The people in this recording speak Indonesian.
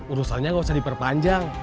urusannya gak usah diperpanjang